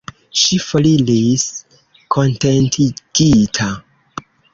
Ŝi foriris kontentigita.